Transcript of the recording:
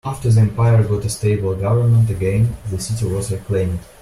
After the empire got a stable government again, the city was reclaimed.